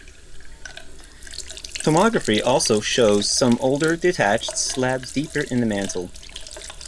Tomography also shows some older detached slabs deeper in the mantle.